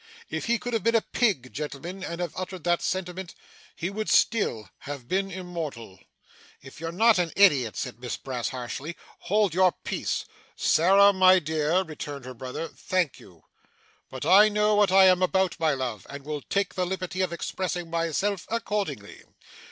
If he could have been a pig, gentlemen, and have uttered that sentiment, he would still have been immortal.' 'If you're not an idiot,' said Miss Brass harshly, 'hold your peace.' 'Sarah, my dear,' returned her brother, 'thank you. But I know what I am about, my love, and will take the liberty of expressing myself accordingly.